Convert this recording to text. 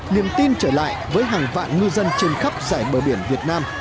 niềm tin trở lại với hàng vạn ngư dân trên khắp giải bờ biển việt nam